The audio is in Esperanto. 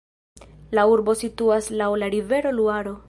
La urbo situas laŭ la rivero Luaro.